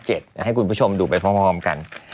ให้คุณผู้ชมดูไปพร้อมกัน